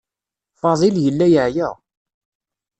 Faḍil yella yeɛya.